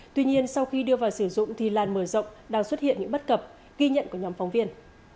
tuy nhiên sau khi đưa vào sử dụng thì làn mở rộng đang xuất hiện những bất cập ghi nhận của nhóm phóng viên